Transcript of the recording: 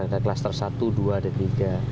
ada klaster satu dua ada tiga